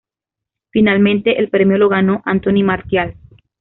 Finalmente el premio lo ganó Anthony Martial.